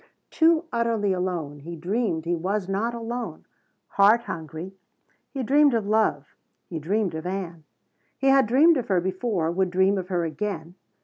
Too utterly alone, he dreamed he was not alone. Heart hungry, he dreamed of love. He dreamed of Ann. He had dreamed of her before, would dream of her again.